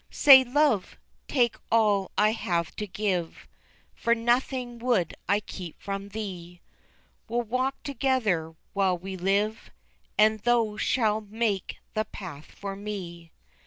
Say, "Love, take all I have to give, For nothing would I keep from thee, We'll walk together while we live, And thou shalt make the path for me."